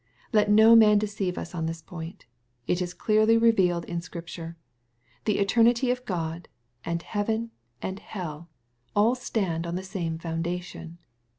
Let no man deceive us on this point. It is clearly revealed in Scripture. The eternity of God, and heaven, and hell, all stand on the same foundation.